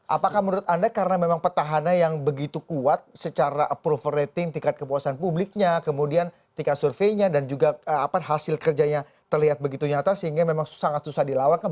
apakah menurut anda karena memang petahana yang begitu kuat secara approval rating tingkat kepuasan publiknya kemudian tingkat surveinya dan juga hasil kerjanya terlihat begitu nyata sehingga memang sangat susah dilawan